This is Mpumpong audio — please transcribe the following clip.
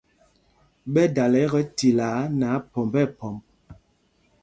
Ɓɛ dala kɛ tilaa nɛ aphɔmb nɛ phɔmb.